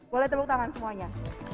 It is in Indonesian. boleh tepuk tangan semuanya